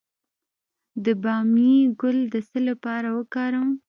د بامیې ګل د څه لپاره وکاروم؟